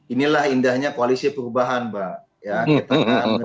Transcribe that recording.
inilah indahnya koalisi perubahan mbak